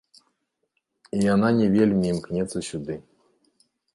І яна не вельмі імкнецца сюды.